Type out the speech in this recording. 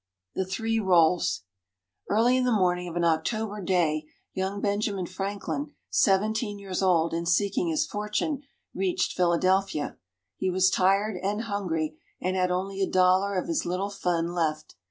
THE THREE ROLLS Early in the morning of an October day, young Benjamin Franklin, seventeen years old and seeking his fortune, reached Philadelphia. He was tired and hungry, and had only a dollar of his little fund left.